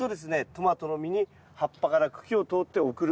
トマトの実に葉っぱから茎を通って送る。